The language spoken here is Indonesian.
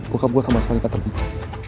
buka buah sama suami kater gitu